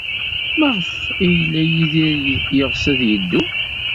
Maɣef ay yella Yidir yeɣs ad yeddu?